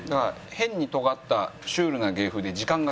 「変に尖ったシュールな芸風で時間がかかる」。